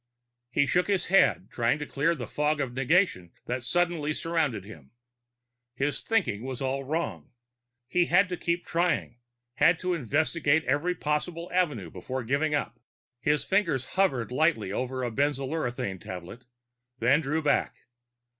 _ He shook his head, trying to clear the fog of negation that suddenly surrounded him. His thinking was all wrong; he had to keep trying, had to investigate every possible avenue before giving up. His fingers hovered lightly over a benzolurethrin tablet, then drew back.